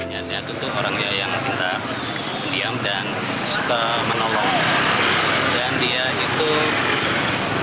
ya dia tuh orangnya yang pintar diam dan suka menolong